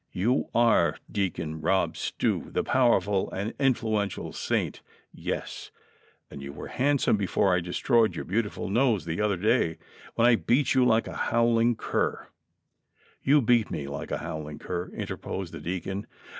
"You are Deacon Rob Stew, the powerful and influen tial saint ; yes, and you were 'handsome ' before I destroyed your beautiful nose the other day, when I beat j'ou like a howling cur "—" You beat me like a howling cur," interposed the dea con.